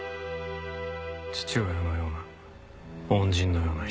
父親のような恩人のような人。